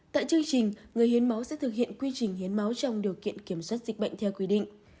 tại chương trình người hiến máu sẽ thực hiện quy trình hiến máu trong điều kiện kiểm soát dịch bệnh theo quy định